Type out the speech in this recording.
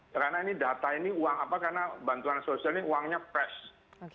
karena ini data ini uang apa karena bantuan sosial ini uangnya fresh